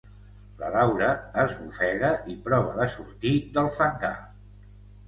La Laura esbufega i prova de sortir del fangar.